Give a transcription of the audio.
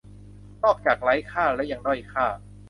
นอกจากไร้ค่าแล้วยังด้อยค่า